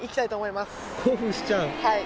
はい。